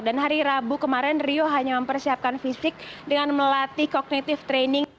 dan hari rabu kemarin rio hanya mempersiapkan fisik dengan melatih kognitif training